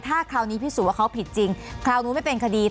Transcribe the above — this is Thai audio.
ถ้าคราวนี้พิสูจน์ว่าเขาผิดจริงคราวนู้นไม่เป็นคดี